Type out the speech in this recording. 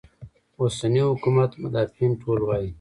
اوسني حکومت مدافعین ټول وایي.